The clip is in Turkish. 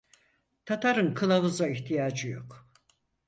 Tatarın kılavuza ihtiyacı yok.